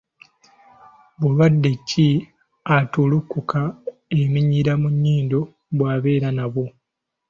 Bulwadde ki attulukuka eminyira mu nnyindo bwabeera nabwo?